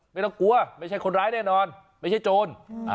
ไม่ต้องกลัวไม่ใช่คนร้ายแน่นอนไม่ใช่โจร